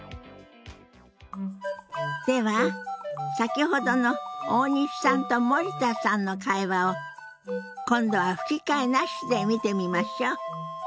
では先ほどの大西さんと森田さんの会話を今度は吹き替えなしで見てみましょう。